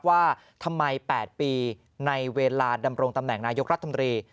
ว่าทำไม๘ปีในเวลาดำรงตำแหน่งนายกรัฐมนตรี